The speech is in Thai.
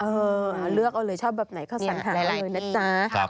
เออเลือกเอาเลยชอบแบบไหนเข้าสัญหาได้เลยนะจ๊ะ